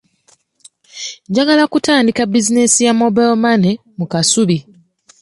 Njagala kutandika bizinensi ya mobile money mu Kasubi.